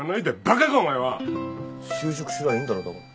就職すりゃいいんだろだから。